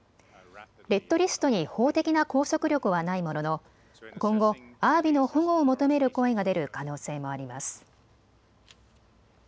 レッドリストに法的な拘束力はないものの今後、アワビの保護を求める声が出る可能性もあります。